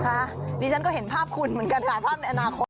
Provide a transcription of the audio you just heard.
ดิฉันก็เห็นภาพคุณเหมือนกันถ่ายภาพในอนาคต